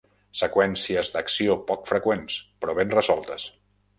Seqüències d'acció poc freqüents, però ben resoltes.